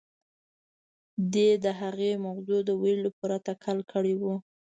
دې د هغې موضوع د ويلو پوره تکل کړی و.